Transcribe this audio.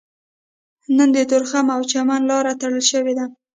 نن د تورخم او چمن لاره تړل شوې ده